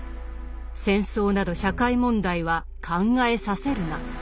戦争など社会問題は考えさせるな。